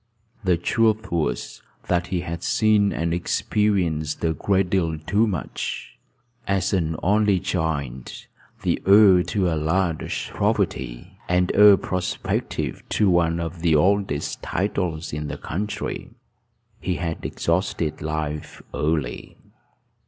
The truth was, that he had seen and experienced a great deal too much. As an only child, the heir to a large property, and heir prospective to one of the oldest titles in the country, he had exhausted life early.